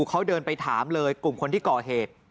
เขาเดินไปถามเลยกลุ่มคนที่ก่อเหตุ